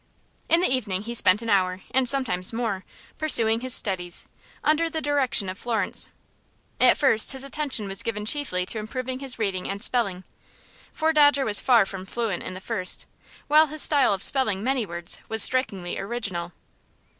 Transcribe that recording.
In the evening he spent an hour, and sometimes more, pursuing his studies, under the direction of Florence. At first his attention was given chiefly to improving his reading and spelling, for Dodger was far from fluent in the first, while his style of spelling many words was strikingly original.